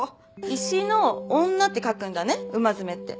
石の女って書くんだねうまずめって。